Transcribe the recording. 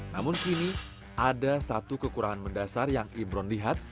namun kini ada satu kekurangan mendasar yang ibron lihat